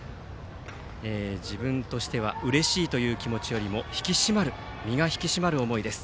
自分としてはうれしいという気持ちよりも身が引き締まる思いです。